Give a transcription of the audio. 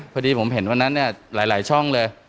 พอดีผมเห็นวันนั้นเนี่ยหลายช่องเลย